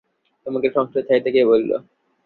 তোমাকে সংসার ছাড়িতে কে বলিল।